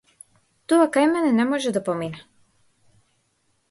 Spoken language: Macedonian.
Тоа кај мене не може да помине!